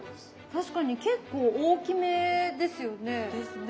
確かに結構大きめですよね。ですね。